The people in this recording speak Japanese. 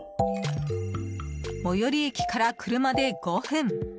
最寄り駅から車で５分。